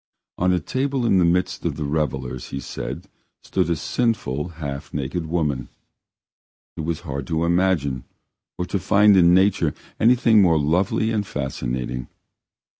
On a table in the midst of the revellers, he said, stood a sinful, half naked woman. It was hard to imagine or to find in nature anything more lovely and fascinating.